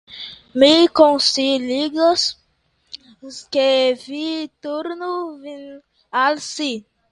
Mi konsilas ke vi turnu vin al ŝi.